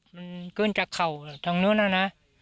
มันเกินจากเข่าทางนู้นน่ะนะ